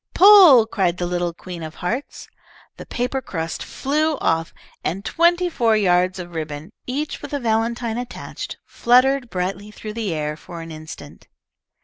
"Pull!" cried the little Queen of Hearts. The paper crust flew off, and twenty four yards of ribbon, each with a valentine attached, fluttered brightly through the air for an instant.